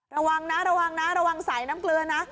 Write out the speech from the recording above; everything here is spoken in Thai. ระวังนะระวังนะระวังสายน้ำเกลือนะ